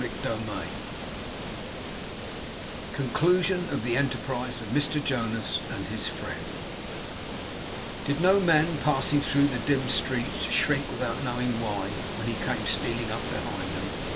CHAPTER FORTY SEVEN CONCLUSION OF THE ENTERPRISE OF MR JONAS AND HIS FRIEND Did no men passing through the dim streets shrink without knowing why, when he came stealing up behind them?